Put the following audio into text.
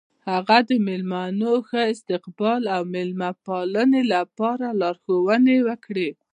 هغه د میلمنو د ښه استقبال او میلمه پالنې لپاره لارښوونې وکړې.